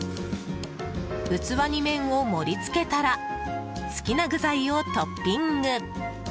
器に麺を盛り付けたら好きな具材をトッピング。